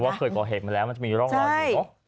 เพราะว่าเคยก่อเหตุมาแล้วมันจะมีร่องรอยอยู่